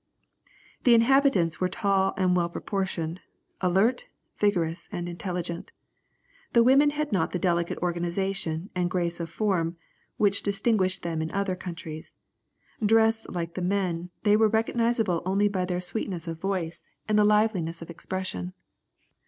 The inhabitants were tall and well proportioned, alert, vigorous, and intelligent. The women had not the delicate organization, and grace of form, which distinguish them in other countries; dressed like the men, they were recognizable only by their sweetness of voice and liveliness of expression.